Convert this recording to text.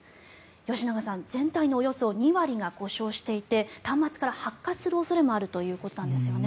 吉永さん、全体のおよそ２割が故障していて端末から発火する恐れもあるということなんですよね。